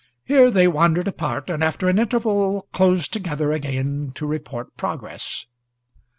Here they wandered apart, and after an interval closed together again to report progress.